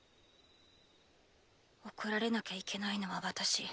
怒られなきゃいけないのは私。